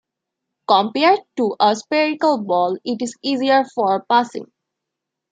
Compared to a spherical ball, it is easier for passing.